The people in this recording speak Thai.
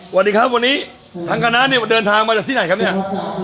สวัสดีครับวันนี้ทางคณะเนี่ยเดินทางมาจากที่ไหนครับเนี่ย